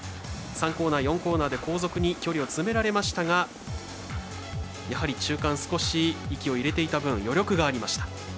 ３コーナー、４コーナーで後続に距離を詰められますがやはり中間少し息を入れていた分余力がありました。